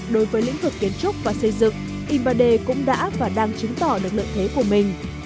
đối với lĩnh vực kiến trúc và xây dựng im ba d cũng đã và đang chứng tỏ được lợi thế của mình